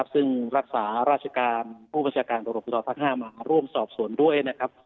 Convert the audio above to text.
ซึ่งรักษาราชการผู้ประชาการตรวจปนิศวรรษทั้ง๕มาร่วมสอบสวนด้วยนะครับ